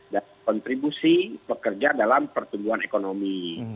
dan kontribusi pekerja dalam pertumbuhan ekonomi